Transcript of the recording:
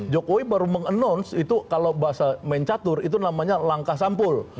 jokowi baru meng announce itu kalau bahasa mencatur itu namanya langkah sampul